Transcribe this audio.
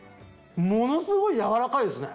ものすごい軟らかいですね！